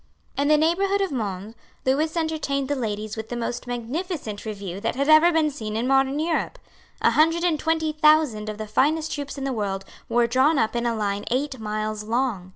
In the neighbourhood of Mons, Lewis entertained the ladies with the most magnificent review that had ever been seen in modern Europe. A hundred and twenty thousand of the finest troops in the world were drawn up in a line eight miles long.